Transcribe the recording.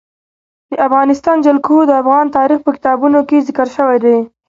د افغانستان جلکو د افغان تاریخ په کتابونو کې ذکر شوی دي.